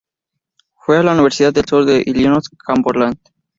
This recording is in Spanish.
Fue a la Universidad del Sur de Illinois Carbondale.